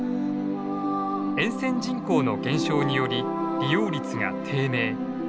沿線人口の減少により利用率が低迷。